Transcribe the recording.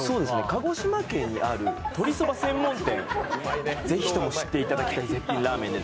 鹿児島県にある、鶏そば専門店なんですけど、ぜひとも知っていただきたい。